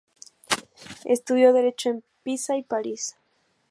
Estudio derecho en Pisa y París.